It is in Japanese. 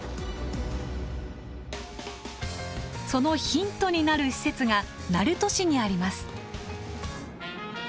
そのヒントになる施設が鳴門市にあります。